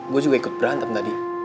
gue juga ikut berantem tadi